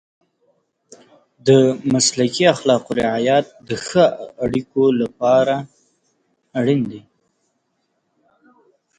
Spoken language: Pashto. د مسلکي اخلاقو رعایت د ښه اړیکو لپاره اړین دی.